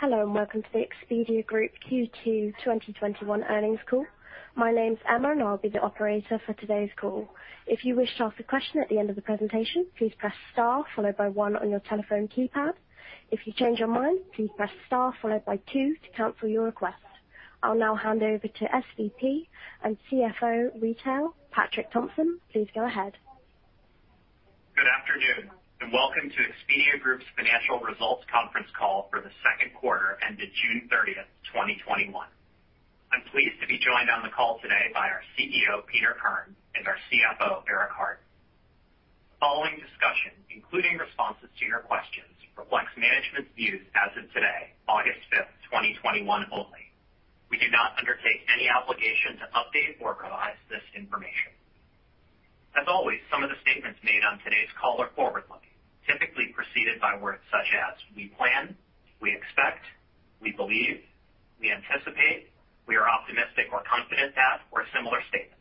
Hello, and welcome to the Expedia Group Q2 2021 earnings call. My name's Emma, and I'll be the operator for today's call. If you wish to ask a question at the end of the presentation, please press star followed by one on your telephone keypad. If you change your mind, please press star followed by two to cancel your request. I'll now hand over to SVP and CFO Retail, Patrick Thompson. Please go ahead. Good afternoon, welcome to Expedia Group's financial results conference call for the second quarter ended June 30th, 2021. I'm pleased to be joined on the call today by our CEO, Peter Kern, and our CFO, Eric Hart. The following discussion, including responses to your questions, reflects management's views as of today, August 5th, 2021 only. We do not undertake any obligation to update or revise this information. As always, some of the statements made on today's call are forward-looking, typically preceded by words such as we plan, we expect, we believe, we anticipate, we are optimistic or confident that, or similar statements.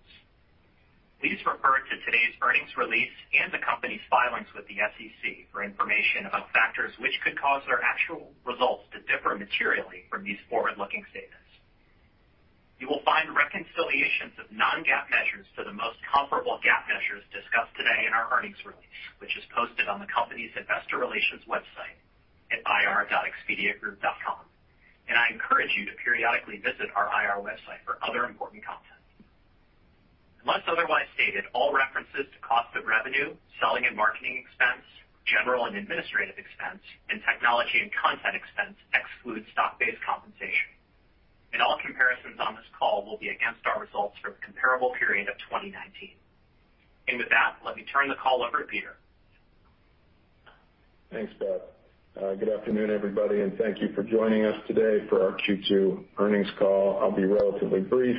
Please refer to today's earnings release and the company's filings with the SEC for information about factors which could cause their actual results to differ materially from these forward-looking statements. You will find reconciliations of non-GAAP measures to the most comparable GAAP measures discussed today in our earnings release, which is posted on the company's Investor Relations website at ir.expediagroup.com. I encourage you to periodically visit our IR website for other important content. Unless otherwise stated, all references to cost of revenue, selling and marketing expense, general and administrative expense, and technology and content expense exclude stock-based compensation. All comparisons on this call will be against our results for the comparable period of 2019. With that, let me turn the call over to Peter. Thanks, Pat. Good afternoon, everybody, and thank you for joining us today for our Q2 earnings call. I'll be relatively brief,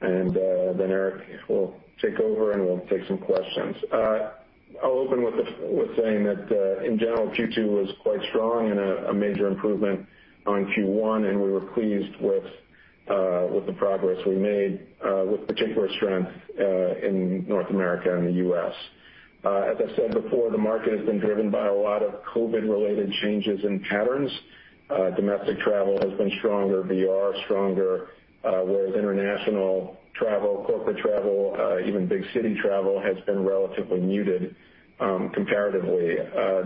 and then Eric will take over, and we'll take some questions. I'll open with saying that, in general, Q2 was quite strong and a major improvement on Q1, and we were pleased with the progress we made with particular strength in North America and the U.S.. As I said before, the market has been driven by a lot of COVID-related changes in patterns. Domestic travel has been stronger, Vrbo stronger, whereas international travel, corporate travel, even big city travel has been relatively muted comparatively.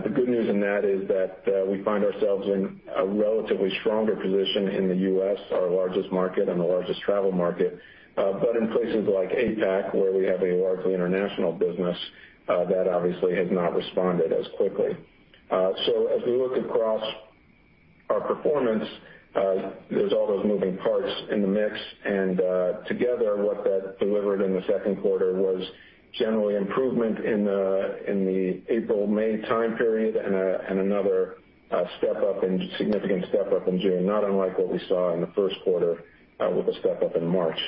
The good news in that is that we find ourselves in a relatively stronger position in the U.S., our largest market and the largest travel market. In places like APAC, where we have a largely international business, that obviously has not responded as quickly. As we look across our performance, there's all those moving parts in the mix, and together, what that delivered in the second quarter was generally improvement in the April-May time period and another significant step up in June, not unlike what we saw in the first quarter, with a step up in March.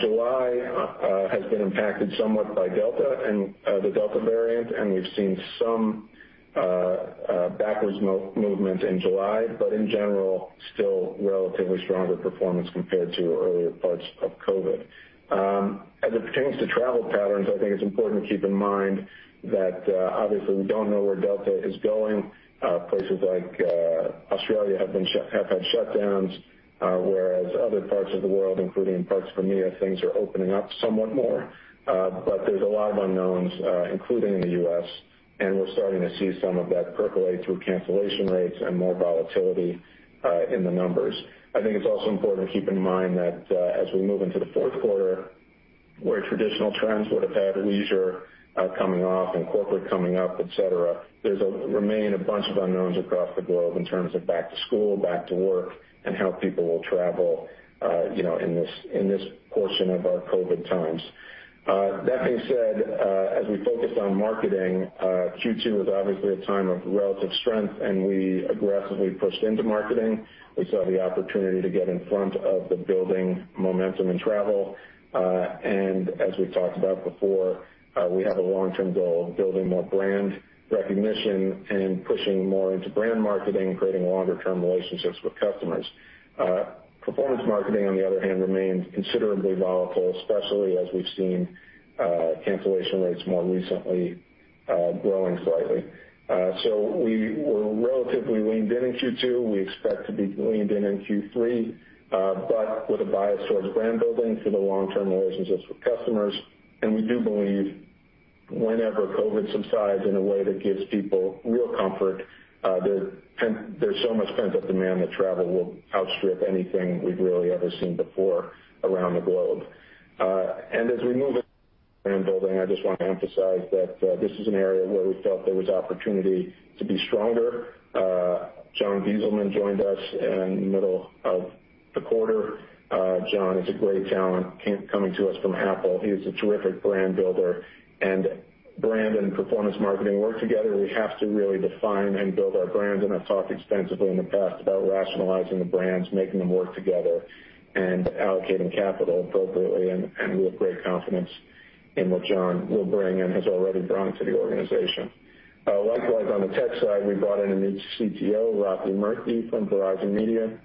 July has been impacted somewhat by Delta and the Delta variant, and we've seen some backwards movement in July, in general, still relatively stronger performance compared to earlier parts of COVID. As it pertains to travel patterns, I think it's important to keep in mind that obviously, we don't know where Delta is going. Places like Australia have had shutdowns, whereas other parts of the world, including parts of EMEA, things are opening up somewhat more. But there's a lot of unknowns, including in the U.S., and we're starting to see some of that percolate through cancellation rates and more volatility in the numbers. I think it's also important to keep in mind that as we move into the fourth quarter, where traditional trends would have had leisure coming off and corporate coming up, et cetera, remain a bunch of unknowns across the globe in terms of back to school, back to work, and how people will travel, you know, in this, in this portion of our COVID times. That being said, as we focused on marketing, Q2 was obviously a time of relative strength, and we aggressively pushed into marketing. We saw the opportunity to get in front of the building momentum in travel. As we've talked about before, we have a long-term goal of building more brand recognition and pushing more into brand marketing and creating longer-term relationships with customers. Performance marketing, on the other hand, remains considerably volatile, especially as we've seen, cancellation rates more recently, growing slightly. We were relatively leaned in in Q2. We expect to be leaned in in Q3, but with a bias towards brand building for the long-term relationships with customers. We do believe whenever COVID subsides in a way that gives people real comfort, there's so much pent-up demand that travel will outstrip anything we've really ever seen before around the globe. As we move in brand building, I just want to emphasize that this is an area where we felt there was opportunity to be stronger. Jon Gieselman joined us in the middle of the quarter. Jon is a great talent coming to us from Apple. He is a terrific brand builder. Brand and performance marketing work together. We have to really define and build our brands, and I've talked extensively in the past about rationalizing the brands, making them work together, and allocating capital appropriately. We have great confidence in what Jon will bring and has already brought to the organization. Likewise, on the tech side, we brought in a new CTO, Rathi Murthy, from Verizon Media.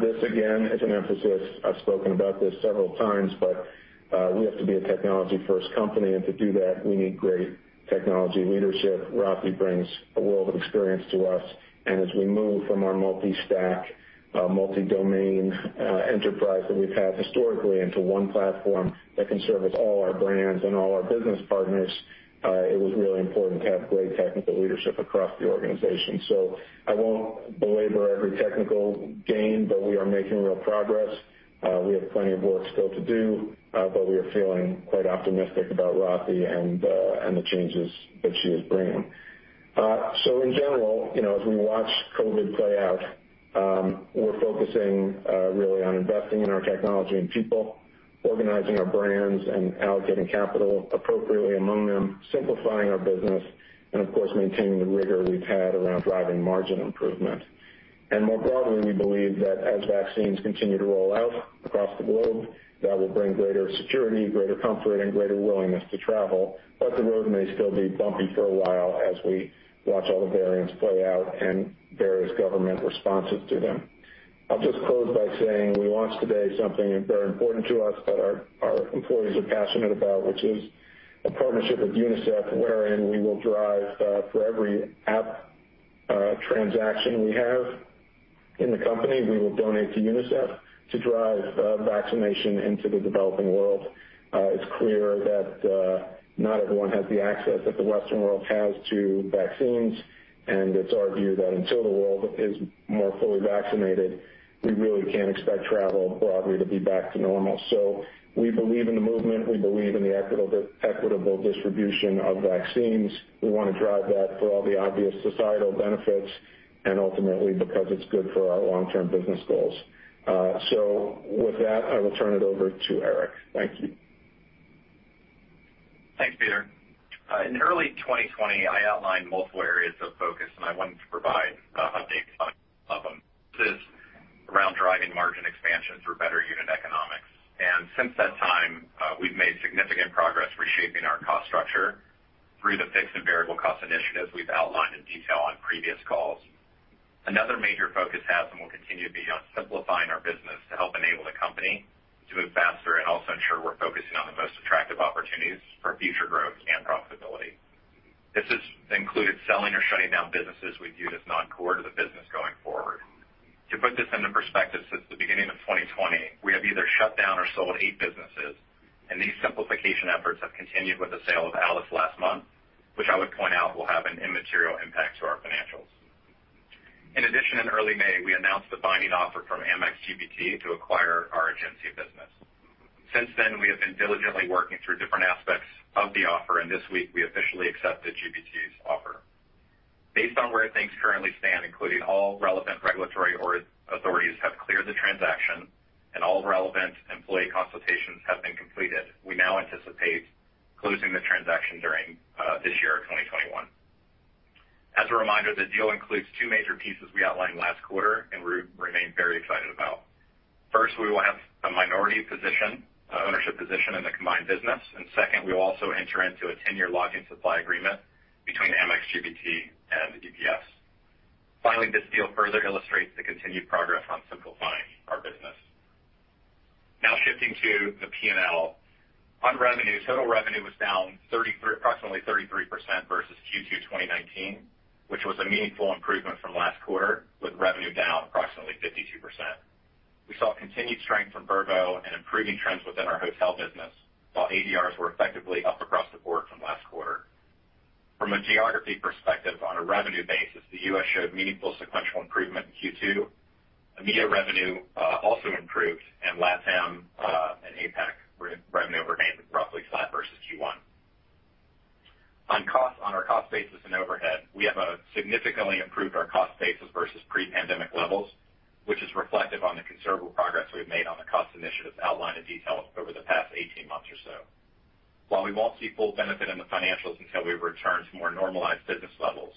This again is an emphasis. I've spoken about this several times, but we have to be a technology first company. To do that, we need great technology leadership. Rathi brings a world of experience to us, and as we move from our multi-stack, multi-domain, enterprise that we've had historically into one platform that can service all our brands and all our business partners, it was really important to have great technical leadership across the organization. I won't belabor every technical gain, but we are making real progress. We have plenty of work still to do, but we are feeling quite optimistic about Rathi and the changes that she is bringing. In general, you know, as we watch COVID play out, we're focusing really on investing in our technology and people, organizing our brands and allocating capital appropriately among them, simplifying our business, and of course, maintaining the rigor we've had around driving margin improvement. More broadly, we believe that as vaccines continue to roll out across the globe, that will bring greater security, greater comfort, and greater willingness to travel. The road may still be bumpy for a while as we watch all the variants play out and various government responses to them. I'll just close by saying we launched today something very important to us that our employees are passionate about, which is a partnership with UNICEF wherein we will drive for every app transaction we have in the company, we will donate to UNICEF to drive vaccination into the developing world. It's clear that not everyone has the access that the Western world has to vaccines, and it's our view that until the world is more fully vaccinated, we really can't expect travel broadly to be back to normal. We believe in the movement. We believe in the equitable distribution of vaccines. We wanna drive that for all the obvious societal benefits and ultimately because it's good for our long-term business goals. With that, I will turn it over to Eric. Thank you. Thanks, Peter. In early 2020, I outlined multiple areas of focus. I wanted to provide an update on of them. This is around driving margin expansion through better unit economics. Since that time, we've made significant progress reshaping our cost structure through the fixed and variable cost initiatives we've outlined in detail on previous calls. Another major focus has and will continue to be on simplifying our business to help enable the company to move faster and also ensure we're focusing on the most attractive opportunities for future growth and profitability. This has included selling or shutting down businesses we view as non-core to the business going forward. To put this into perspective, since the beginning of 2020, we have either shut down or sold eight businesses. These simplification efforts have continued with the sale of ALICE last month, which I would point out will have an immaterial impact to our financials. In addition, in early May, we announced the binding offer from Amex GBT to acquire our Egencia business. Since then, we have been diligently working through different aspects of the offer. This week we officially accepted GBT's offer. Based on where things currently stand, including all relevant regulatory authorities have cleared the transaction and all relevant employee consultations have been completed, we now anticipate closing the transaction during this year, 2021. As a reminder, the deal includes two major pieces we outlined last quarter. We remain very excited about. First, we will have a minority position, ownership position in the combined business. Second, we will also enter into a 10-year lodging supply agreement between Amex GBT and EPS. Finally, this deal further illustrates the continued progress on simplifying our business. Now shifting to the P&L. On revenue, total revenue was down approximately 33% versus Q2 2019, which was a meaningful improvement from last quarter, with revenue down approximately 52%. We saw continued strength from Vrbo and improving trends within our hotel business, while ADRs were effectively up across the board from last quarter. From a geography perspective, on a revenue basis, the U.S. showed meaningful sequential improvement in Q2. EMEA revenue also improved, and LatAm and APAC revenue remained roughly flat versus Q1. On costs, on our cost basis and overhead, we have significantly improved our cost basis versus pre-pandemic levels, which is reflective on the considerable progress we've made on the cost initiatives outlined in detail over the past 18 months or so. While we won't see full benefit in the financials until we return to more normalized business levels,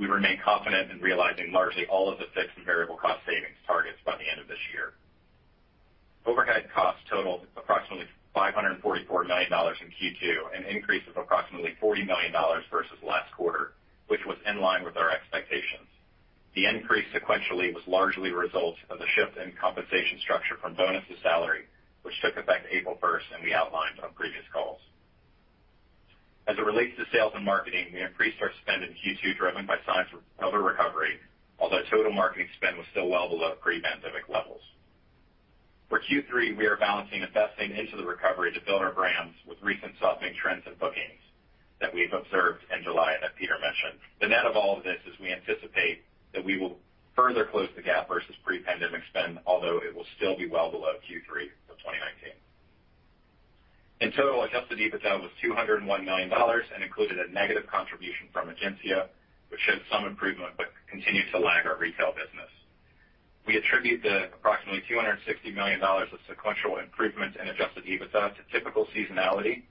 we remain confident in realizing largely all of the fixed and variable cost savings targets by the end of this year. Overhead costs totaled approximately $544 million in Q2, an increase of approximately $40 million versus last quarter, which was in line with our expectations. The increase sequentially was largely a result of the shift in compensation structure from bonus to salary, which took effect April 1st and we outlined on previous calls. As it relates to sales and marketing, we increased our spend in Q2, driven by signs of recovery, although total marketing spend was still well below pre-pandemic levels. For Q3, we are balancing investing into the recovery to build our brands with recent softening trends in bookings that we've observed in July, as Peter mentioned. The net of all of this is we anticipate that we will further close the gap versus pre-pandemic spend, although it will still be well below Q3 of 2019. In total, adjusted EBITDA was $201 million and included a negative contribution from Egencia, which showed some improvement but continues to lag our retail business. We attribute the approximately $260 million of sequential improvement in adjusted EBITDA to typical seasonality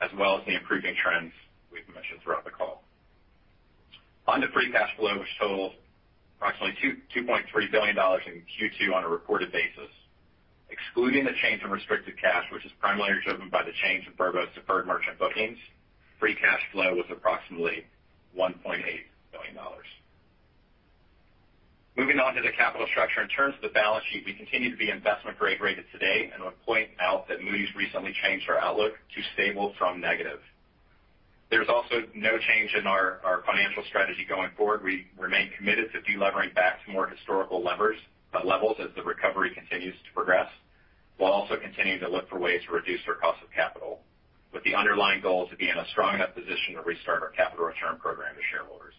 as well as the improving trends we've mentioned throughout the call. On to free cash flow, which totaled approximately $2.3 billion in Q2 on a reported basis. Excluding the change in restricted cash, which is primarily driven by the change in Vrbo's deferred merchant bookings, free cash flow was approximately $1.8 billion. Moving on to the capital structure. In terms of the balance sheet, we continue to be investment-grade rated today, and I would point out that Moody's recently changed our outlook to stable from negative. There's also no change in our financial strategy going forward. We remain committed to delevering back to more historical levels as the recovery continues to progress, while also continuing to look for ways to reduce our cost of capital, with the underlying goal to be in a strong enough position to restart our capital return program to shareholders.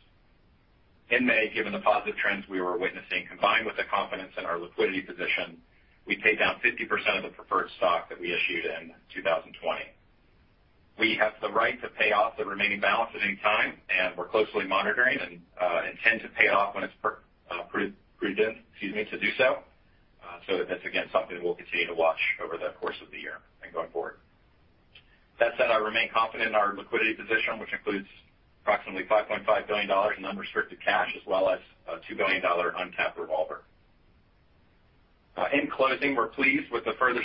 In May, given the positive trends we were witnessing, combined with the confidence in our liquidity position, we paid down 50% of the preferred stock that we issued in 2020. We have the right to pay off the remaining balance at any time, and we're closely monitoring and intend to pay off when it's prudent, excuse me, to do so. That's again, something we'll continue to watch over the course of the year and going forward. That said, I remain confident in our liquidity position, which includes approximately $5.5 billion in unrestricted cash as well as a $2 billion untapped revolver. In closing, we're pleased with the further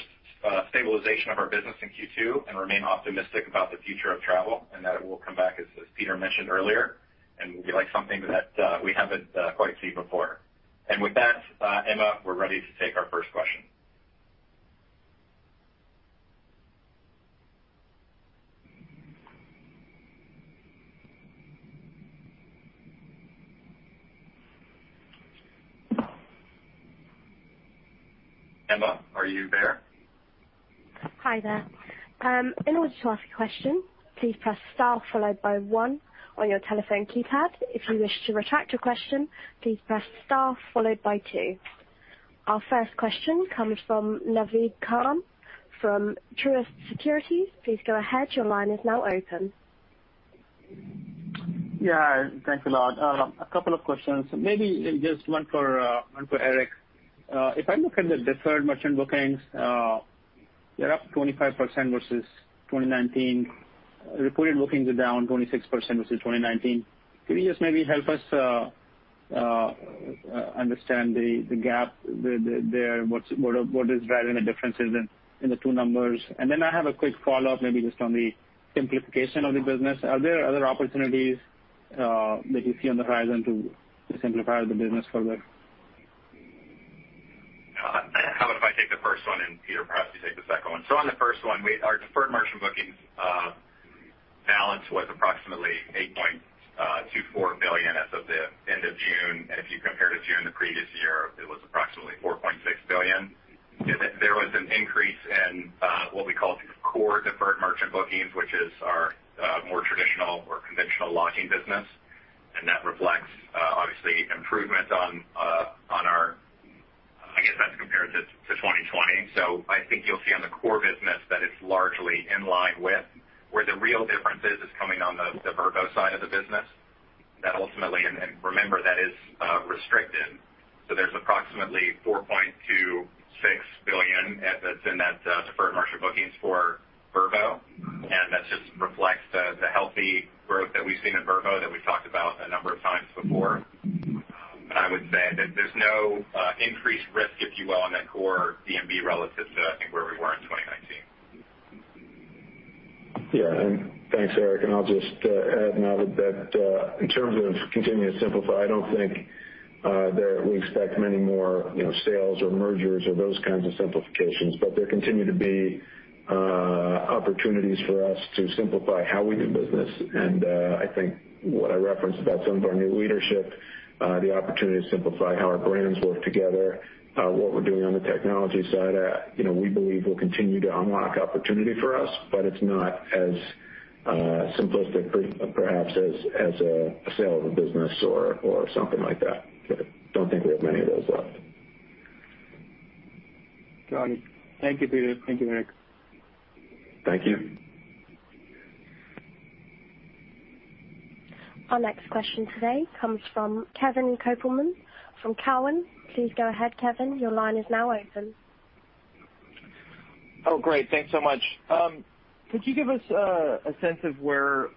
stabilization of our business in Q2 and remain optimistic about the future of travel and that it will come back, as Peter mentioned earlier, and will be like something that we haven't quite seen before. With that, Emma, we're ready to take our first question. Emma, are you there? Hi, there. In order to ask a question, please press star followed by one on your telephone keypad. If you wish to retract a question, please press star followed by two. Our first question comes from Naved Khan from Truist Securities. Please go ahead. Your line is now open. Yeah, thanks a lot. A couple of questions, maybe just one for Eric. If I look at the deferred merchant bookings, they're up 25% versus 2019. Reported bookings are down 26% versus 2019. Can you just maybe help us understand the gap there? What is driving the differences in the two numbers? I have a quick follow-up, maybe just on the simplification of the business. Are there other opportunities that you see on the horizon to simplify the business further? How about if I take the first one? Peter, perhaps you take the second one? On the first one, our deferred merchant bookings balance was approximately $8.24 billion as of the end of June. If you compare to June the previous year, it was approximately $4.6 billion. There was an increase in what we call core deferred merchant bookings, which is our more traditional or conventional lodging business. That reflects obviously improvement on, I guess that's compared to 2020. I think you'll see on the core business that it's largely in line with. Where the real difference is coming on the Vrbo side of the business. Remember that is restricted. There's approximately $4.26 billion that's in that deferred merchant bookings for Vrbo, and that just reflects the healthy growth that we've seen in Vrbo that we've talked about a number of times before. I would say that there's no increased risk, if you will, on that core DMB relative to, I think, where we were in 2019. Yeah, and thanks, Eric, and I'll just add now that, in terms of continuing to simplify, I don't think that we expect many more, you know, sales or mergers or those kinds of simplifications, but there continue to be opportunities for us to simplify how we do business. I think what I referenced about some of our new leadership, the opportunity to simplify how our brands work together, what we're doing on the technology side, you know, we believe will continue to unlock opportunity for us, but it's not as simplistic perhaps as a sale of a business or something like that. Don't think we have many of those left. Got it. Thank you, Peter. Thank you, Eric. Thank you. Our next question today comes from Kevin Kopelman from Cowen. Please go ahead, Kevin. Your line is now open. Oh, great. Thanks so much. Could you give us a sense of where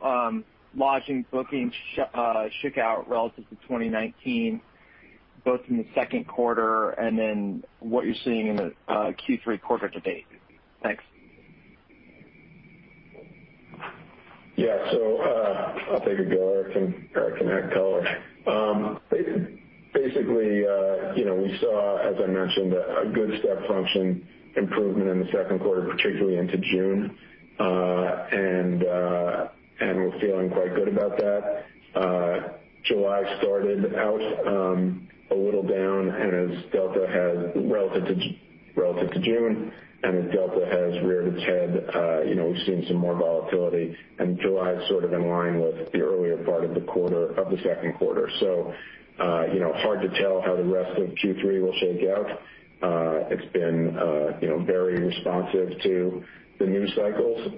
lodging bookings shook out relative to 2019, both in the second quarter and then what you're seeing in the Q3 quarter to date? Thanks. Yeah. I'll take a go. Eric can add color. Basically, you know, we saw, as I mentioned, a good step function improvement in the second quarter, particularly into June, and we're feeling quite good about that. July started out a little down, and as Delta has relative to June, and as Delta has reared its head, you know, we've seen some more volatility. July is sort of in line with the earlier part of the second quarter. You know, hard to tell how the rest of Q3 will shake out. It's been, you know, very responsive to the news cycles.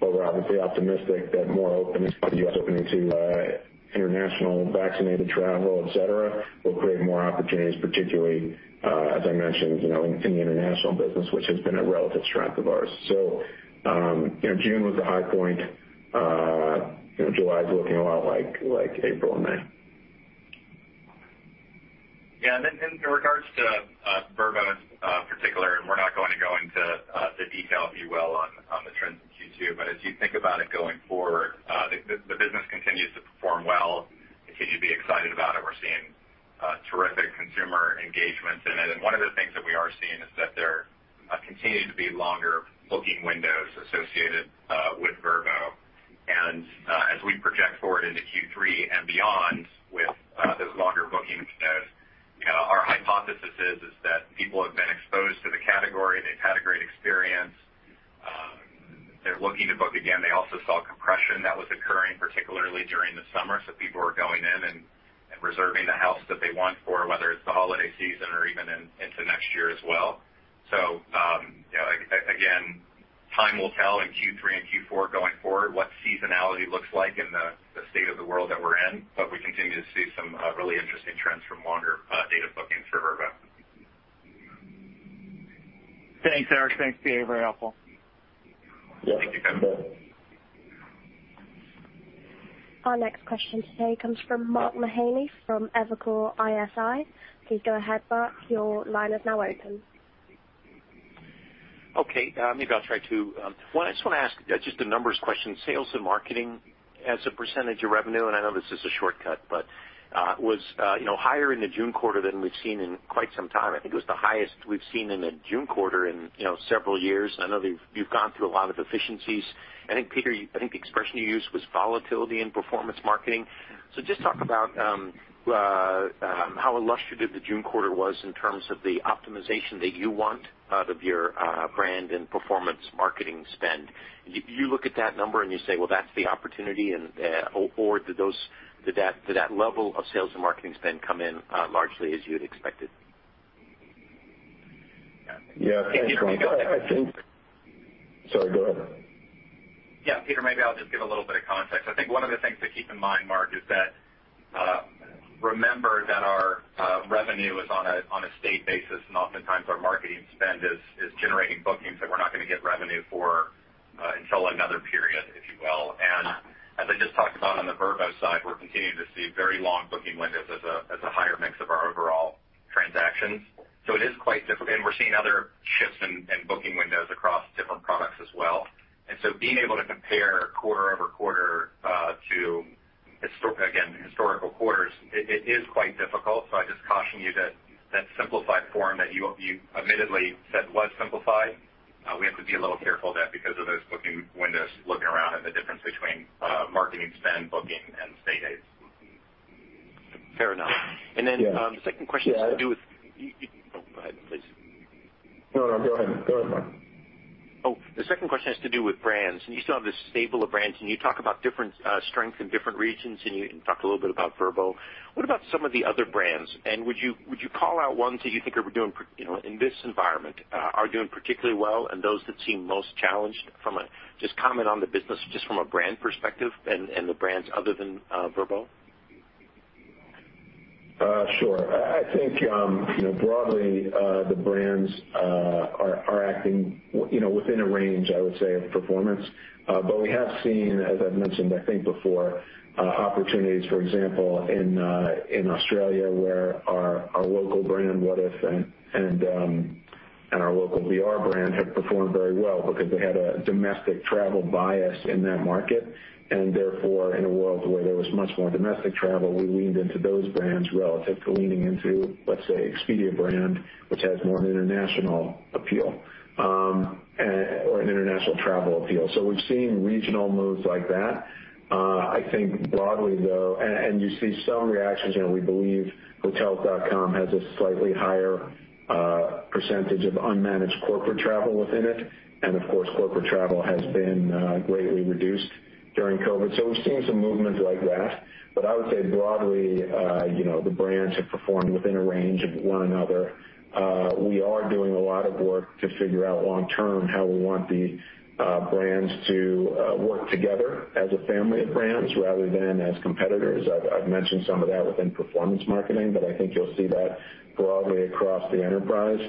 We're obviously optimistic that more openness for the U.S. opening to international vaccinated travel, et cetera, will create more opportunities, particularly, as I mentioned, you know, in the international business, which has been a relative strength of ours. June was a high point. You know, July is looking a lot like April and May. Yeah. Then in regards to Vrbo, particular, we're not going to go into the detail, if you will, on the trends in Q2. As you think about it going forward, the business continues to perform well. Continue to be excited about it. We're seeing terrific consumer engagement in it. One of the things that we are seeing is that there continues to be longer booking windows associated with Vrbo. As we project forward into Q3 and beyond with those longer booking windows, our hypothesis is that people have been exposed to the category, they've had a great experience, they're looking to book again. They also saw compression that was occurring, particularly during the summer, so people were going in and reserving the house that they want for whether it's the holiday season or even into next year as well. Again, time will tell in Q3 and Q4 going forward what seasonality looks like in the state of the world that we're in, but we continue to see some really interesting trends from longer date of bookings for Vrbo. Thanks, Eric. Thanks, Peter. Very helpful. Thank you. Our next question today comes from Mark Mahaney from Evercore ISI. Please go ahead, Mark. Your line is now open. Okay. Maybe I'll try to. Well, I just want to ask just a numbers question. Sales and marketing as a percentage of revenue, and I know this is a shortcut, but was, you know, higher in the June quarter than we've seen in quite some time. I think it was the highest we've seen in the June quarter in, you know, several years. I know you've gone through a lot of efficiencies. I think, Peter, I think the expression you used was volatility in performance marketing. Just talk about how illustrative the June quarter was in terms of the optimization that you want out of your brand and performance marketing spend. Do you look at that number and you say, "Well, that's the opportunity," or did that level of sales and marketing spend come in largely as you had expected? Yeah. Yeah. I think, sorry, go ahead. Peter, maybe I'll just give a little bit of context. I think one of the things to keep in mind, Mark, is that remember that our revenue is on a state basis, and oftentimes our marketing spend is generating bookings that we're not gonna get revenue for until another period, if you will. As I just talked about on the Vrbo side, we're continuing to see very long booking windows as a higher mix of our overall transactions. It is quite. We're seeing other shifts in booking windows across different products as well. Being able to compare quarter-over-quarter to historical quarters, it is quite difficult. I'd just caution you that that simplified form that you admittedly said was simplified, we have to be a little careful of that because of those booking windows looking around and the difference between marketing spend, booking, and stay dates. Fair enough. Yeah. Then, the second question has to do with. Go ahead, please. No, no, go ahead. Go ahead, Mark. Oh. The second question has to do with brands. You still have this stable of brands, and you talk about different strength in different regions, and you talked a little bit about Vrbo. What about some of the other brands? Would you call out ones that you think are doing you know, in this environment, are doing particularly well and those that seem most challenged from Just comment on the business just from a brand perspective and the brands other than Vrbo. Sure. I think, you know, broadly, the brands are acting, you know, within a range, I would say, of performance. We have seen, as I've mentioned, I think before, opportunities, for example, in Australia where our local brand Wotif and our local VR brand have performed very well because they had a domestic travel bias in that market, and therefore, in a world where there was much more domestic travel, we leaned into those brands relative to leaning into, let's say, Expedia brand, which has more an international appeal or an international travel appeal. We've seen regional moves like that. I think broadly, though. You see some reactions. You know, we believe Hotels.com has a slightly higher percentage of unmanaged corporate travel within it. Of course, corporate travel has been greatly reduced during COVID. We've seen some movements like that. I would say broadly, you know, the brands have performed within a range of one another. We are doing a lot of work to figure out long term how we want the brands to work together as a family of brands rather than as competitors. I've mentioned some of that within performance marketing, but I think you'll see that broadly across the enterprise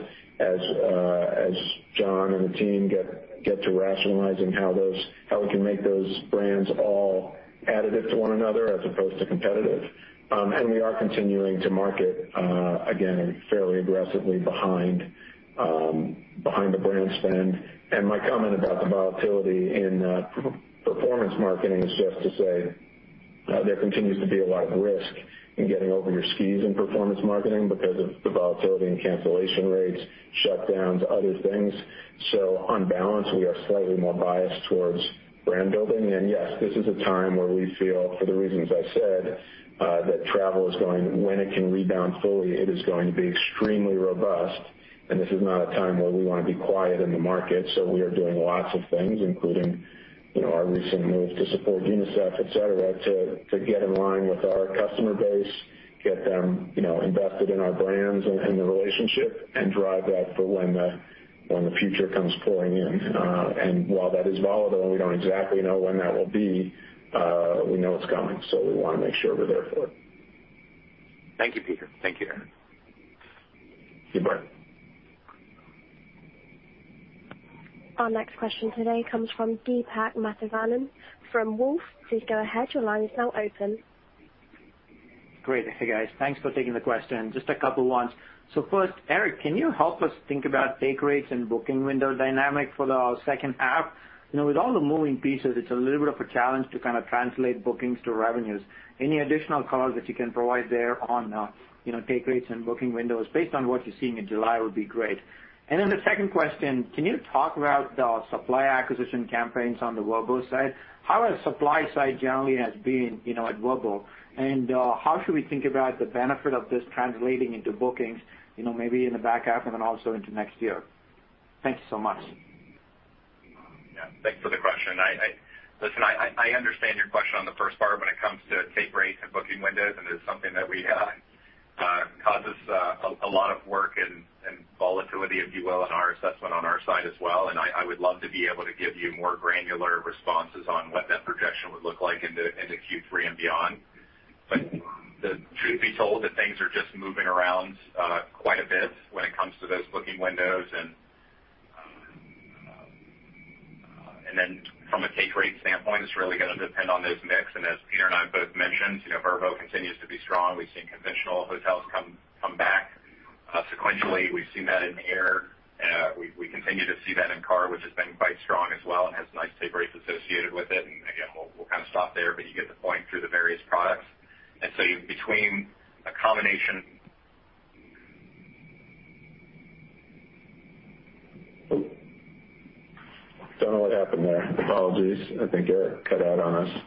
as Jon and the team get to rationalizing how we can make those brands all additive to one another as opposed to competitive. We are continuing to market again, fairly aggressively behind behind the brand spend. My comment about the volatility in performance marketing is just to say, there continues to be a lot of risk in getting over your skis in performance marketing because of the volatility and cancellation rates, shutdowns, other things. On balance, we are slightly more biased towards brand building. Yes, this is a time where we feel, for the reasons I said, that travel when it can rebound fully, it is going to be extremely robust, and this is not a time where we wanna be quiet in the market. We are doing lots of things, including, you know, our recent move to support UNICEF, et cetera, to get in line with our customer base, get them, you know, invested in our brands and the relationship and drive that for when the future comes pouring in. While that is volatile and we don't exactly know when that will be, we know it's coming, so we wanna make sure we're there for it. Thank you, Peter. Thank you, Eric. Bye. Our next question today comes from Deepak Mathivanan from Wolfe. Please go ahead. Your line is now open. Great. Hey, guys. Thanks for taking the question. Just a couple ones. Eric, can you help us think about take rates and booking window dynamic for the second half? You know, with all the moving pieces, it's a little bit of a challenge to kind of translate bookings to revenues. Any additional color that you can provide there on, you know, take rates and booking windows based on what you're seeing in July would be great. The second question, can you talk about the supply acquisition campaigns on the Vrbo side? How has supply side generally has been, you know, at Vrbo? How should we think about the benefit of this translating into bookings, you know, maybe in the back half and then also into next year? Thank you so much. Yeah. Thanks for the question. Listen, I understand your question on the first part when it comes to take rates and booking windows, and it's something that we causes a lot of work and volatility, if you will, in our assessment on our side as well. I would love to be able to give you more granular responses on what that projection would look like into Q3 and beyond. The truth be told that things are just moving around quite a bit when it comes to those booking windows. Then from a take rate standpoint, it's really gonna depend on those mix. As Peter and I both mentioned, you know, Vrbo continues to be strong. We've seen conventional hotels come back sequentially. We've seen that in air. We continue to see that in car, which has been quite strong as well and has nice take rates associated with it. Again, we'll kind of stop there, but you get the point through the various products. Don't know what happened there. Apologies. I think Eric cut out on us.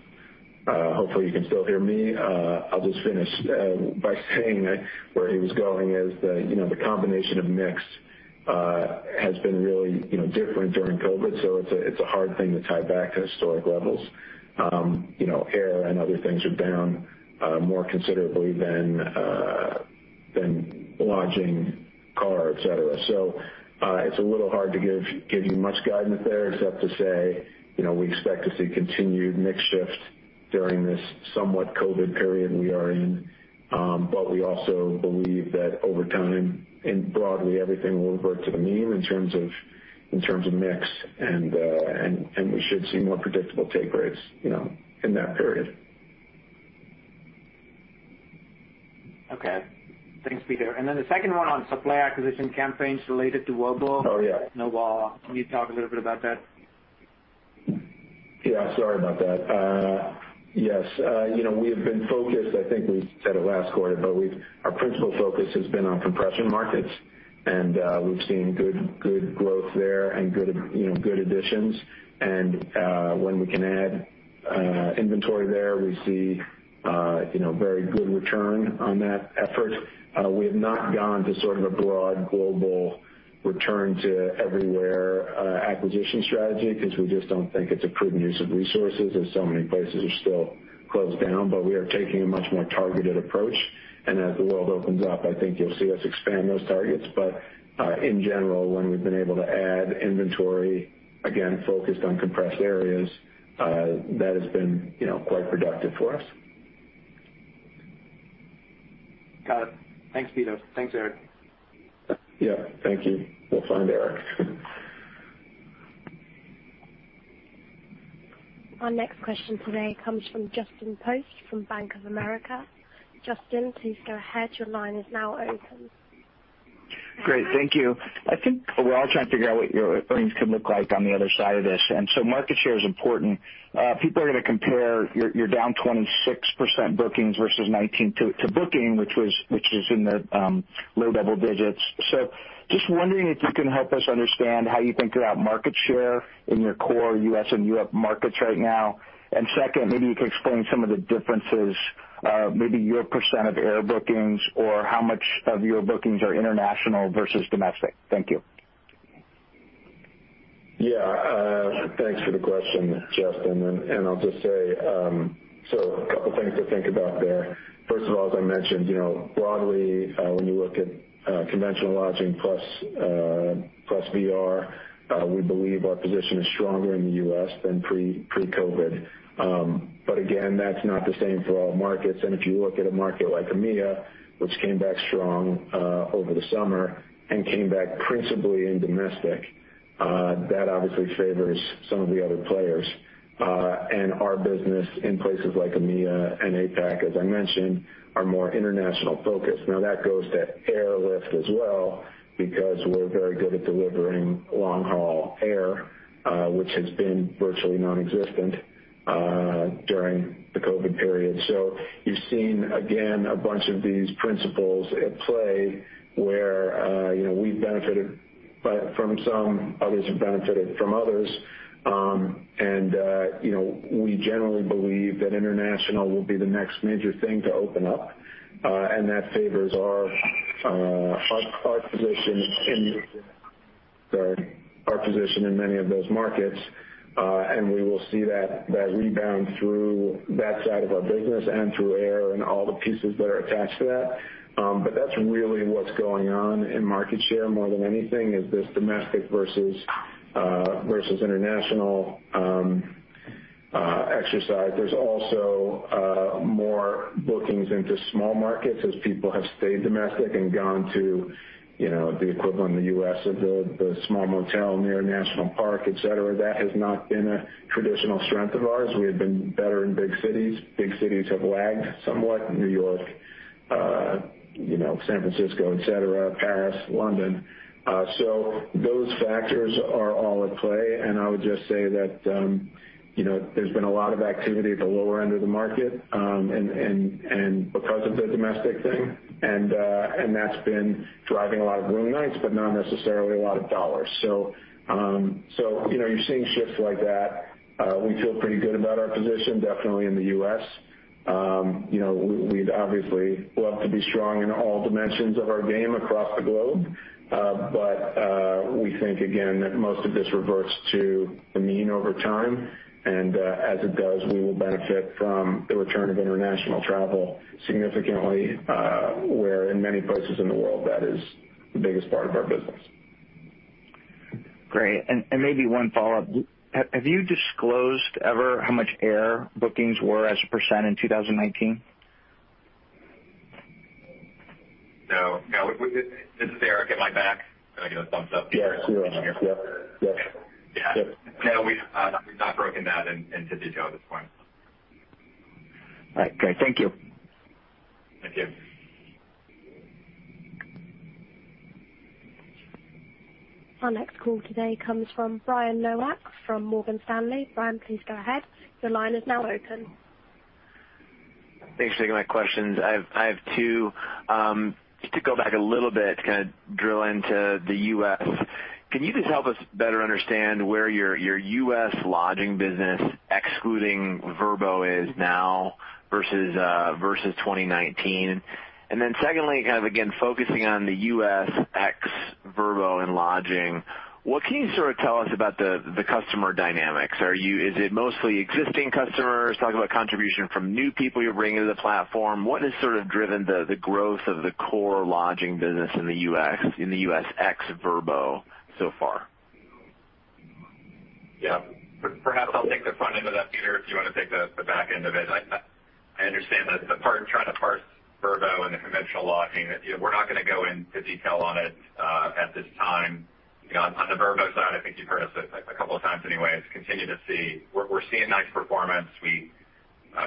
Hopefully, you can still hear me. I'll just finish by saying that where he was going is the, you know, the combination of mix has been really, you know, different during COVID. It's a hard thing to tie back to historic levels. You know, air and other things are down more considerably than lodging, car, et cetera. It's a little hard to give you much guidance there except to say, you know, we expect to see continued mix shift during this somewhat COVID period we are in. We also believe that over time and broadly, everything will revert to the mean in terms of mix and we should see more predictable take rates, you know, in that period. Okay. Thanks, Peter. The second one on supply acquisition campaigns related to Vrbo. Oh, yeah. No worries. Can you talk a little bit about that? Yeah, sorry about that. Yes. You know, we have been focused, I think we said it last quarter, but our principal focus has been on compression markets, and we've seen good growth there and good, you know, good additions. When we can add inventory there, we see, you know, very good return on that effort. We have not gone to sort of a broad global return to everywhere acquisition strategy because we just don't think it's a prudent use of resources, and so many places are still closed down. We are taking a much more targeted approach. As the world opens up, I think you'll see us expand those targets. In general, when we've been able to add inventory, again, focused on compressed areas, that has been, you know, quite productive for us. Got it. Thanks, Peter. Thanks, Eric. Yeah. Thank you. We'll find Eric. Our next question today comes from Justin Post from Bank of America. Justin, please go ahead. Your line is now open. Great. Thank you. I think we're all trying to figure out what your earnings could look like on the other side of this. Market share is important. People are going to compare you're down 26% bookings versus 2019 to booking, which is in the low double digits. Just wondering if you can help us understand how you think about market share in your core U.S. and Europe markets right now. Second, maybe you could explain some of the differences, maybe your % of air bookings or how much of your bookings are international versus domestic. Thank you. Yeah. Thanks for the question, Justin. I'll just say, a couple things to think about there. First of all, as I mentioned, you know, broadly, when you look at conventional lodging plus VR, we believe our position is stronger in the U.S. than pre-COVID. Again, that's not the same for all markets. If you look at a market like EMEA, which came back strong over the summer and came back principally in domestic, that obviously favors some of the other players. Our business in places like EMEA and APAC, as I mentioned, are more international focused. Now, that goes to airlift as well because we're very good at delivering long-haul air, which has been virtually nonexistent during the COVID period. You've seen, again, a bunch of these principles at play where, you know, we've benefited from some, others have benefited from others. You know, we generally believe that international will be the next major thing to open up, and that favors our position in many of those markets, and we will see that rebound through that side of our business and through air and all the pieces that are attached to that. That's really what's going on in market share more than anything, is this domestic versus versus international exercise. There's also more bookings into small markets as people have stayed domestic and gone to, you know, the equivalent in the U.S. of the small motel near a national park, et cetera. That has not been a traditional strength of ours. We have been better in big cities. Big cities have lagged somewhat, New York, you know, San Francisco, et cetera, Paris, London. Those factors are all at play, and I would just say that, you know, there's been a lot of activity at the lower end of the market, and because of the domestic thing, and that's been driving a lot of room nights, but not necessarily a lot of dollars. You know, you're seeing shifts like that. We feel pretty good about our position, definitely in the U.S.. You know, we'd obviously love to be strong in all dimensions of our game across the globe. We think again that most of this reverts to the mean over time, and as it does, we will benefit from the return of international travel significantly, where in many places in the world that is the biggest part of our business. Great. Maybe one follow-up. Have you disclosed ever how much air bookings were as a percentage in 2019? No. No. This is Eric. Am I back? Can I get a thumbs up, Peter? Yes. You are. Yep. Yep. Yeah. No, we've not broken that into detail at this point. All right. Great. Thank you. Thank you. Our next call today comes from Brian Nowak from Morgan Stanley. Brian, please go ahead. Your line is now open. Thanks for taking my questions. I have two. Just to go back a little bit, kind of drill into the U.S.. Can you just help us better understand where your U.S. lodging business, excluding Vrbo is now versus versus 2019? Secondly, kind of again, focusing on the U.S. ex Vrbo and lodging, what can you sort of tell us about the customer dynamics? Is it mostly existing customers? Talk about contribution from new people you're bringing to the platform. What has sort of driven the growth of the core lodging business in the U.S., in the U.S. ex Vrbo so far? Yeah. Perhaps I'll take the front end of that, Peter, if you want to take the back end of it. I understand that it's hard trying to parse Vrbo and the conventional lodging. You know, we're not going to go into detail on it at this time. You know, on the Vrbo side, I think you've heard us a couple of times anyways, continue to see We're seeing nice performance. We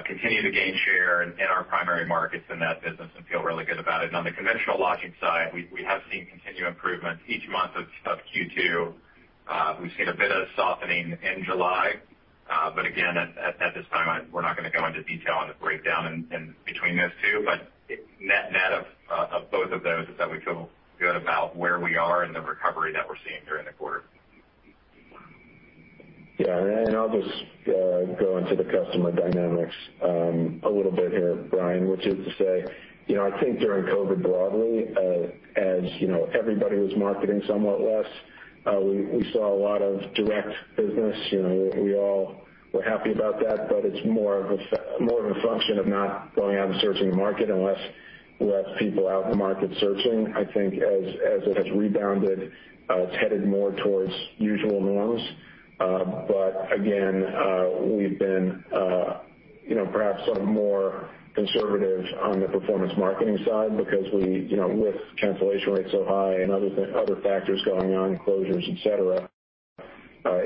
continue to gain share in our primary markets in that business and feel really good about it. On the conventional lodging side, we have seen continued improvement each month of Q2. We've seen a bit of softening in July. Again, at this time, we're not going to go into detail on the breakdown in between those two. Net of both of those is that we feel good about where we are in the recovery that we're seeing during the quarter. Yeah. I'll just go into the customer dynamics a little bit here, Brian, which is to say, you know, I think during COVID broadly, as, you know, everybody was marketing somewhat less, we saw a lot of direct business. You know, we all were happy about that, but it's more of a more of a function of not going out and searching the market and less people out in the market searching. I think as it has rebounded, it's headed more towards usual norms. Again, we've been, you know, perhaps sort of more conservative on the performance marketing side because we, you know, with cancellation rates so high and other factors going on, closures, et cetera,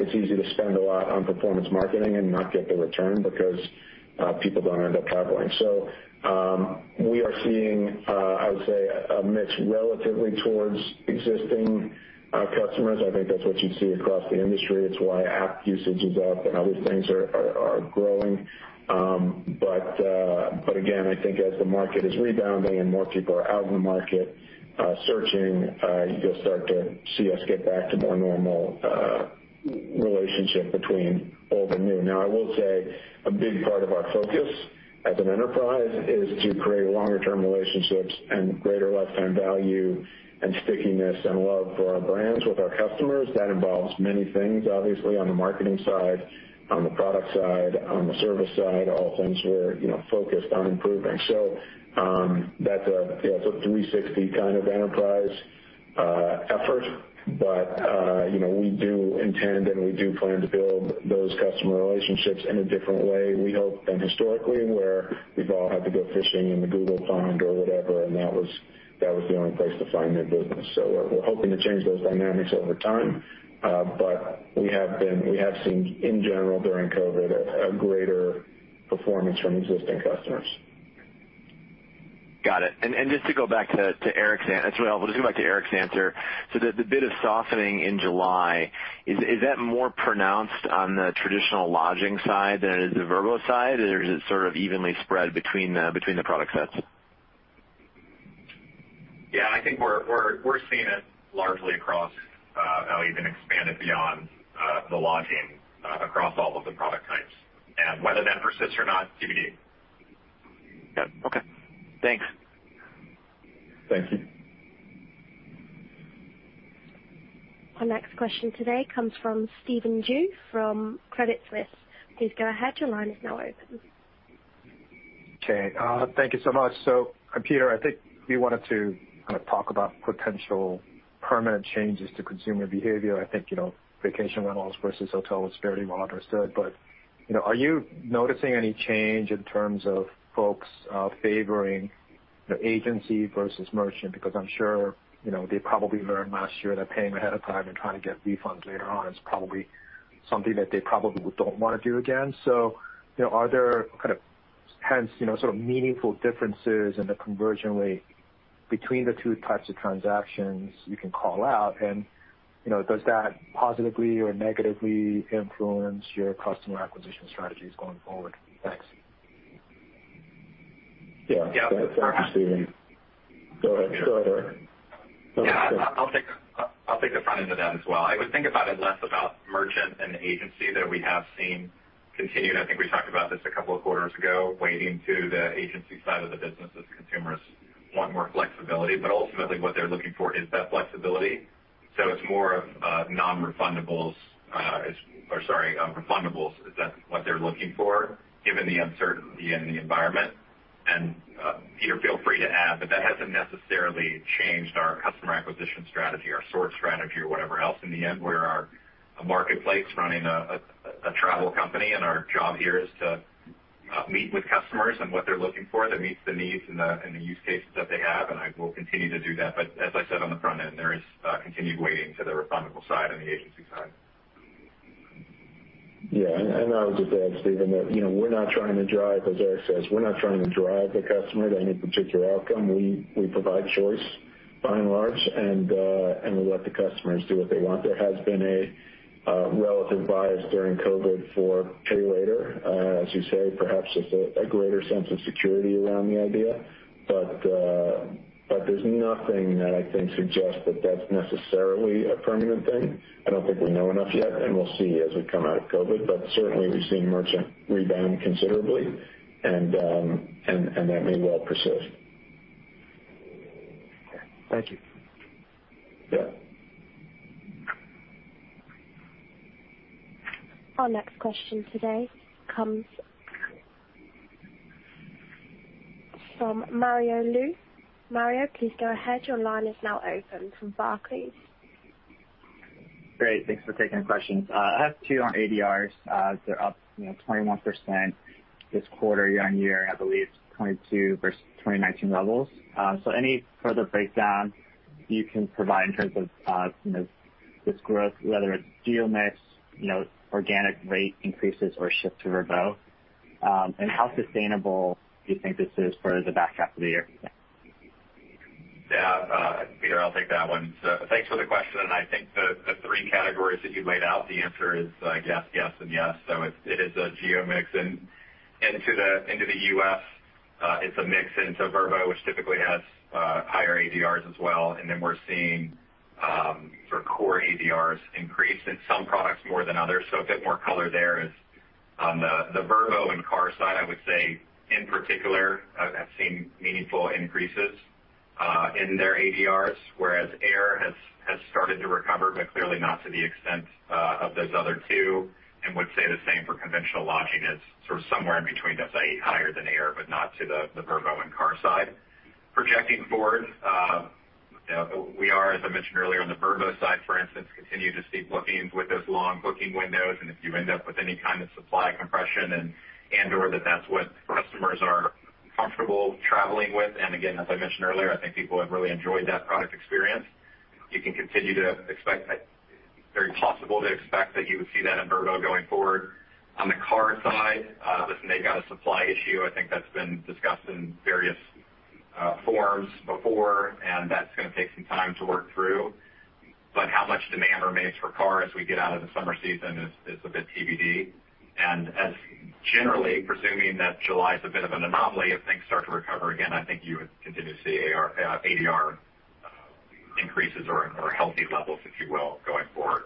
it's easy to spend a lot on performance marketing and not get the return because people don't end up traveling. We are seeing, I would say a mix relatively towards existing customers. I think that's what you'd see across the industry. It's why app usage is up and other things are growing. Again, I think as the market is rebounding and more people are out in the market, searching, you'll start to see us get back to more normal relationship between old and new. I will say a big part of our focus as an enterprise is to create longer term relationships and greater lifetime value and stickiness and love for our brands with our customers. That involves many things, obviously, on the marketing side, on the product side, on the service side, all things we're, you know, focused on improving. That's a, you know, it's a 360 kind of enterprise effort. You know, we do intend and we do plan to build those customer relationships in a different way, we hope, than historically, where we've all had to go fishing in the Google pond or whatever, and that was the only place to find new business. We're hoping to change those dynamics over time. We have seen in general during COVID a greater performance from existing customers. Got it. Just to go back to Eric's, it's relevant. Just go back to Eric's answer. The bit of softening in July, is that more pronounced on the traditional lodging side than it is the Vrbo side? Or is it sort of evenly spread between the product sets? Yeah, I think we're seeing it largely across, even expanded beyond the lodging, across all of the product types. Whether that persists or not, TBD. Yeah. Okay. Thanks. Thank you. Our next question today comes from Stephen Ju from Credit Suisse. Please go ahead. Your line is now open. Okay. Thank you so much. Peter, I think you wanted to kind of talk about potential permanent changes to consumer behavior. I think, you know, vacation rentals versus hotel is fairly well understood, but, you know, are you noticing any change in terms of folks favoring the agency versus merchant? Because I'm sure, you know, they probably learned last year that paying ahead of time and trying to get refunds later on is probably something that they probably don't wanna do again. You know, are there kind of hence, you know, sort of meaningful differences in the conversion rate between the two types of transactions you can call out? You know, does that positively or negatively influence your customer acquisition strategies going forward? Thanks. Yeah. Yeah. That's actually. Go ahead. Go ahead, Eric. Yeah. I'll take the front end of that as well. I would think about it less about merchant and agency that we have seen continue, and I think we talked about this a couple of quarters ago, weighting to the agency side of the business as consumers want more flexibility. Ultimately, what they're looking for is that flexibility, so it's more of non-refundable, or sorry, refundables. That's what they're looking for given the uncertainty in the environment. Peter, feel free to add, but that hasn't necessarily changed our customer acquisition strategy, our source strategy or whatever else. In the end, we're a marketplace running a travel company. Our job here is to meet with customers and what they're looking for that meets the needs and the use cases that they have. I will continue to do that. As I said on the front end, there is continued weighting to the refundable side and the agency side. Yeah. I would just add, Stephen, that, you know, we're not trying to drive, as Eric says, we're not trying to drive the customer to any particular outcome. We provide choice by and large, and we let the customers do what they want. There has been a relative bias during COVID for pay later. As you say, perhaps it's a greater sense of security around the idea. There's nothing that I think suggests that that's necessarily a permanent thing. I don't think we know enough yet, and we'll see as we come out of COVID. Certainly, we've seen merchant rebound considerably, and that may well persist. Okay. Thank you. Yeah. Our next question today comes from Mario Lu. Mario, please go ahead. Your line is now open from Barclays. Great. Thanks for taking the questions. I have two on ADRs. They're up, you know, 21% this quarter year-over-year. I believe it's 2022 versus 2019 levels. Any further breakdown you can provide in terms of, you know, this growth, whether it's geo mix, you know, organic rate increases or shift to Vrbo, and how sustainable do you think this is for the back half of the year? Thanks. Yeah. Peter, I'll take that one. Thanks for the question, and I think the three categories that you laid out, the answer is yes and yes. It's a geo mix. Into the U.S., it's a mix into Vrbo, which typically has higher ADRs as well. Then we're seeing sort of core ADRs increase in some products more than others. A bit more color there is on the Vrbo and car side, I would say in particular, have seen meaningful increases in their ADRs, whereas air has started to recover, but clearly not to the extent of those other two, and would say the same for conventional lodging. It's sort of somewhere in between, I'd say higher than air, but not to the Vrbo and car side. Projecting forward, you know, we are, as I mentioned earlier, on the Vrbo side, for instance, continue to see bookings with those long booking windows, and if you end up with any kind of supply compression and/or that that's what customers are comfortable traveling with, and again, as I mentioned earlier, I think people have really enjoyed that product experience. You can continue to expect that Very possible to expect that you would see that in Vrbo going forward. On the car side, listen, they've got a supply issue. I think that's been discussed in various forms before, and that's gonna take some time to work through. How much demand remains for car as we get out of the summer season is a bit TBD. As generally presuming that July's a bit of an anomaly, if things start to recover again, I think you would continue to see ADR increases or healthy levels, if you will, going forward.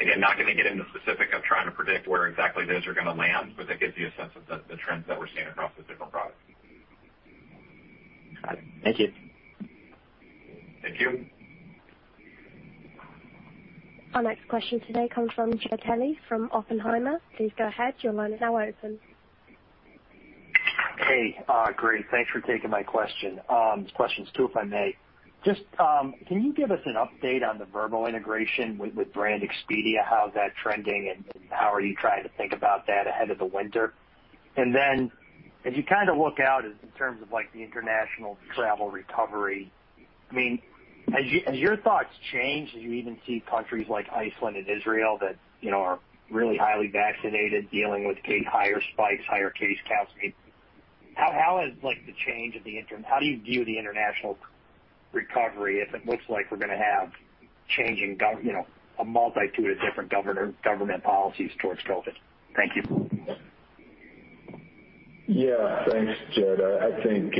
Again, not gonna get into specific of trying to predict where exactly those are gonna land, but that gives you a sense of the trends that we're seeing across the different products. Got it. Thank you. Thank you. Our next question today comes from Jed Kelly from Oppenheimer. Please go ahead. Your line is now open. Hey. great. Thanks for taking my question. Questions two, if I may. Just, can you give us an update on the Vrbo integration with Expedia? How's that trending, how are you trying to think about that ahead of the winter? As you kind of look out in terms of like the international travel recovery, I mean, has your thoughts changed as you even see countries like Iceland and Israel that, you know, are really highly vaccinated dealing with higher spikes, higher case counts? I mean, how do you view the international recovery if it looks like we're gonna have changing, you know, a multitude of different government policies towards COVID? Thank you. Yeah. Thanks, Jed. I think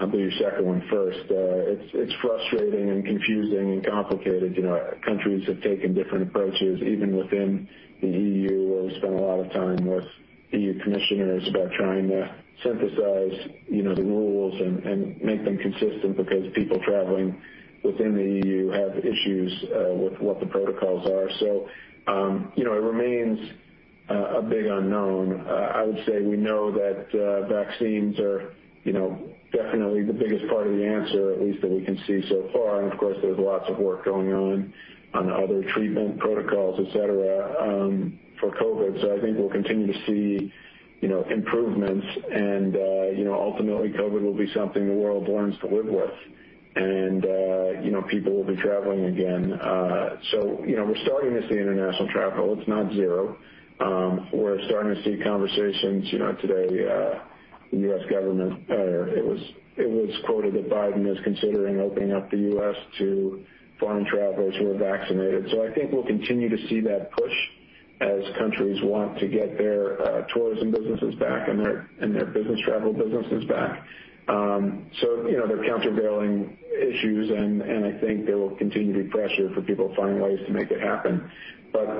I'll do your second one first. It's frustrating and confusing and complicated. You know, countries have taken different approaches even within the EU. We've spent a lot of time with EU commissioners about trying to synthesize, you know, the rules and make them consistent because people traveling within the EU have issues with what the protocols are. You know, it remains a big unknown. I would say we know that vaccines are, you know, definitely the biggest part of the answer, at least that we can see so far. Of course, there's lots of work going on other treatment protocols, et cetera, for COVID. I think we'll continue to see, you know, improvements and, you know, ultimately COVID will be something the world learns to live with. You know, people will be traveling again. You know, we're starting to see international travel. It's not zero. We're starting to see conversations. You know, today, the U.S. government, it was quoted that Biden is considering opening up the U.S. to foreign travelers who are vaccinated. I think we'll continue to see that push as countries want to get their tourism businesses back and their business travel businesses back. You know, there are countervailing issues and I think there will continue to be pressure for people to find ways to make it happen.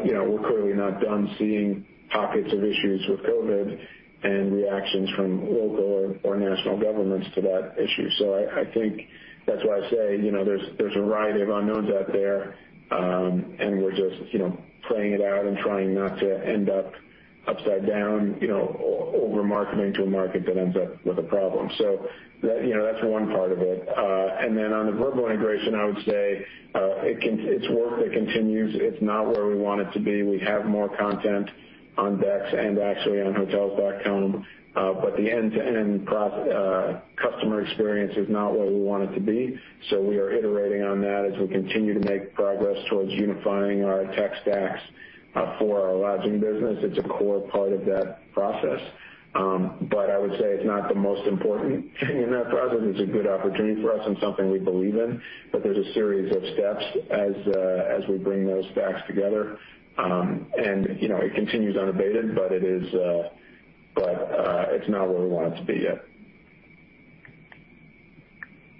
You know, we're clearly not done seeing pockets of issues with COVID and reactions from local or national governments to that issue. I think that's why I say, you know, there's a variety of unknowns out there, and we're just, you know, playing it out and trying not to end up upside down, you know, over-marketing to a market that ends up with a problem. That, you know, that's one part of it. Then on the vertical integration, I would say, it's work that continues. It's not where we want it to be. We have more content on BEX and actually on Hotels.com. The end-to-end customer experience is not where we want it to be, so we are iterating on that as we continue to make progress towards unifying our tech stacks, for our lodging business. It's a core part of that process. I would say it's not the most important thing in that process. It's a good opportunity for us and something we believe in, but there's a series of steps as we bring those stacks together. You know, it continues unabated, but it's not where we want it to be yet.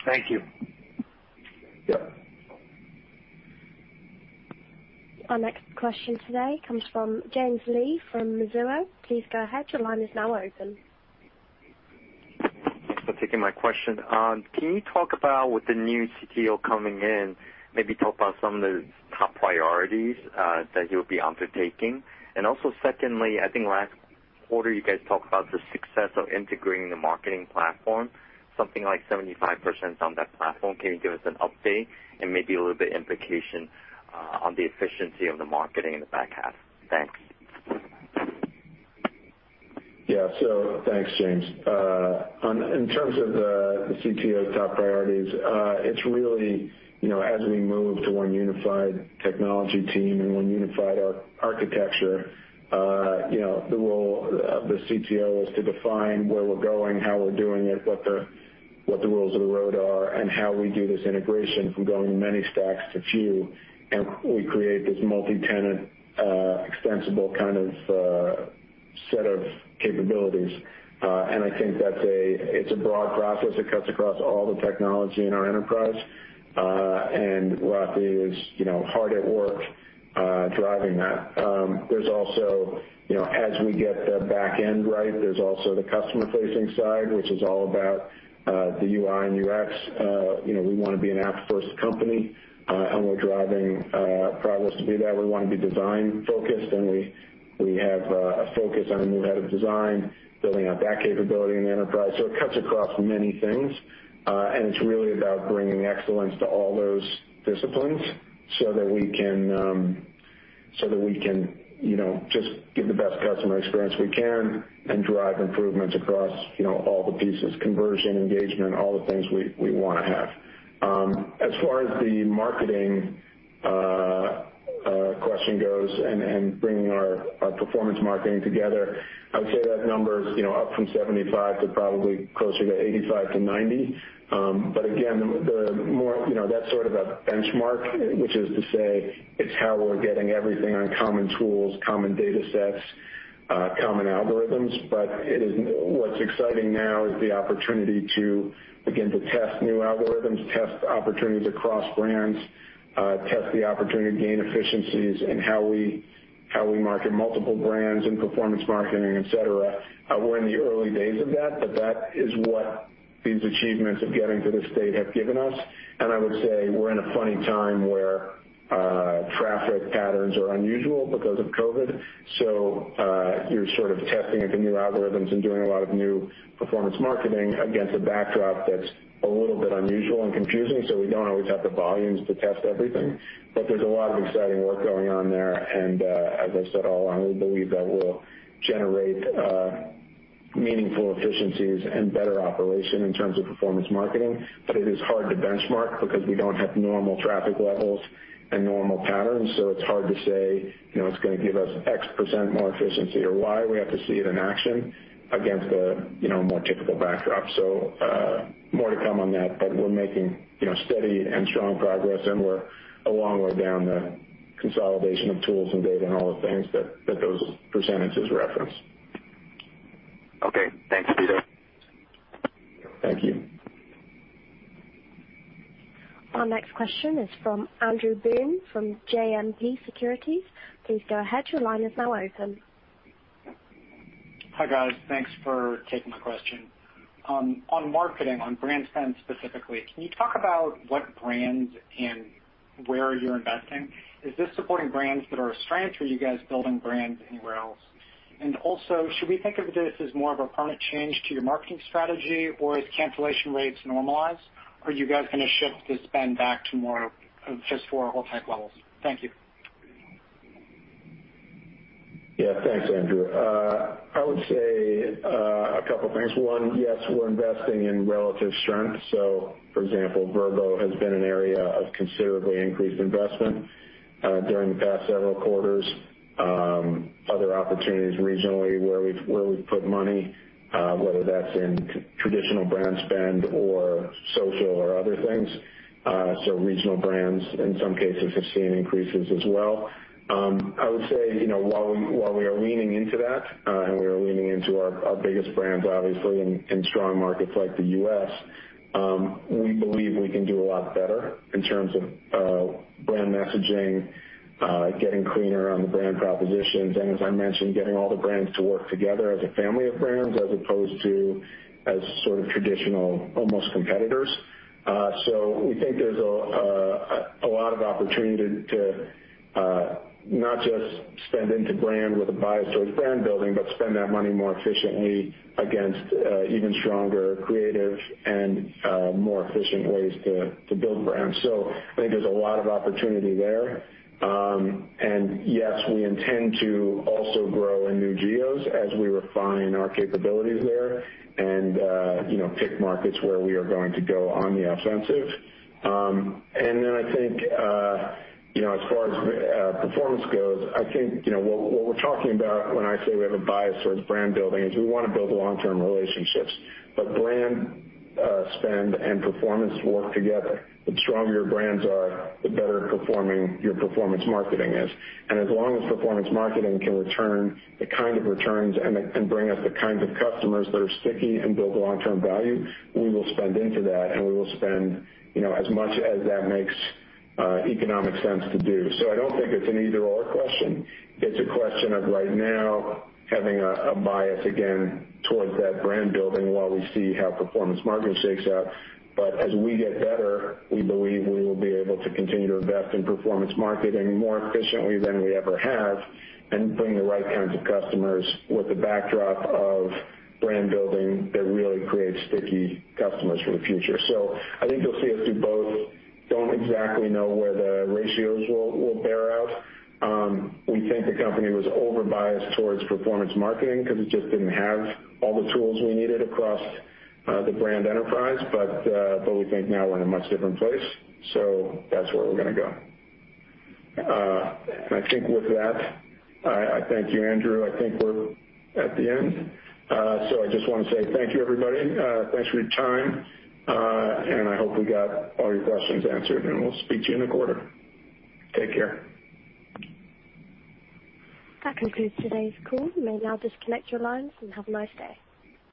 Thank you. Yep. Our next question today comes from James Lee from Mizuho. Please go ahead. Your line is now open. Thanks for taking my question. Can you talk about with the new CTO coming in, maybe talk about some of the top priorities that he'll be undertaking? Secondly, I think last quarter you guys talked about the success of integrating the marketing platform, something like 75% on that platform. Can you give us an update and maybe a little bit implication on the efficiency of the marketing in the back half? Thanks. Thanks, James. In terms of the CTO's top priorities, it's really, you know, as we move to one unified technology team and one unified architecture, you know, the role of the CTO is to define where we're going, how we're doing it, what the rules of the road are, and how we do this integration from going many stacks to few, and we create this multi-tenant, extensible kind of, set of capabilities. I think that's a broad process. It cuts across all the technology in our enterprise, and Rathi is, you know, hard at work, driving that. There's also, you know, as we get the back end right, there's also the customer facing side, which is all about the UI and UX. You know, we want to be an app first company, and we're driving progress to do that. We want to be design focused, and we have a focus on a new head of design, building out that capability in the enterprise. It cuts across many things, and it's really about bringing excellence to all those disciplines so that we can, you know, just give the best customer experience we can and drive improvements across, you know, all the pieces, conversion, engagement, all the things we want to have. As far as the marketing question goes and bringing our performance marketing together, I would say that number is, you know, up from 75% to probably closer to 85%-90%. Again, you know, that's sort of a benchmark, which is to say it's how we're getting everything on common tools, common data sets, common algorithms. What's exciting now is the opportunity to begin to test new algorithms, test opportunities across brands, test the opportunity to gain efficiencies in how we market multiple brands and performance marketing, et cetera. We're in the early days of that, but that is what these achievements of getting to this state have given us. I would say we're in a funny time where traffic patterns are unusual because of COVID. You're sort of testing the new algorithms and doing a lot of new performance marketing against a backdrop that's a little bit unusual and confusing. We don't always have the volumes to test everything, but there's a lot of exciting work going on there. As I said all along, we believe that will generate meaningful efficiencies and better operation in terms of performance marketing. It is hard to benchmark because we don't have normal traffic levels and normal patterns, so it's hard to say, you know, it's going to give us X percent more efficiency or Y. More to come on that, but we're making, you know, steady and strong progress, and we're a long way down the consolidation of tools and data and all the things that those percentages reference. Okay. Thanks, Peter. Thank you. Our next question is from Andrew Boone from JMP Securities. Please go ahead. Your line is now open. Hi, guys. Thanks for taking the question. On marketing, on brand spend specifically, can you talk about what brands and where you're investing? Is this supporting brands that are a strength, or are you guys building brands anywhere else? Should we think of this as more of a permanent change to your marketing strategy, or as cancellation rates normalize, are you guys going to shift the spend back to more of just for hotel levels? Thank you. Thanks, Andrew. I would say two things. One, yes, we're investing in relative strength. For example, Vrbo has been an area of considerably increased investment during the past several quarters. Other opportunities regionally where we've put money, whether that's in traditional brand spend or social or other things. Regional brands in some cases have seen increases as well. I would say, you know, while we are leaning into that, and we are leaning into our biggest brands obviously in strong markets like the U.S., we believe we can do a lot better in terms of brand messaging, getting cleaner on the brand propositions, and as I mentioned, getting all the brands to work together as a family of brands as opposed to as sort of traditional, almost competitors. We think there's a lot of opportunity to not just spend into brand with a bias towards brand building, but spend that money more efficiently against even stronger creative and more efficient ways to build brands. I think there's a lot of opportunity there. Yes, we intend to also grow in new geos as we refine our capabilities there and, you know, pick markets where we are going to go on the offensive. I think, you know, as far as performance goes, I think, you know, what we're talking about when I say we have a bias towards brand building is we wanna build long-term relationships, but brand spend and performance work together. The stronger your brands are, the better performing your performance marketing is. As long as performance marketing can return the kind of returns and bring us the kinds of customers that are sticky and build long-term value, we will spend into that, and we will spend, you know, as much as that makes economic sense to do. I don't think it's an either/or question. It's a question of right now having a bias again towards that brand building while we see how performance marketing shakes out. As we get better, we believe we will be able to continue to invest in performance marketing more efficiently than we ever have and bring the right kinds of customers with the backdrop of brand building that really creates sticky customers for the future. I think you'll see us do both. Don't exactly know where the ratios will bear out. We think the company was over-biased towards performance marketing because it just didn't have all the tools we needed across the brand enterprise. We think now we're in a much different place, so that's where we're gonna go. I thank you, Andrew. I think we're at the end. I just wanna say thank you, everybody. Thanks for your time. I hope we got all your questions answered, and we'll speak to you in a quarter. Take care. That concludes today's call. You may now disconnect your lines and have a nice day.